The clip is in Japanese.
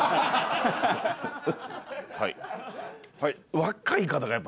はい。